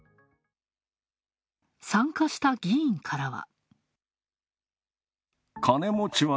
参加した議員からは。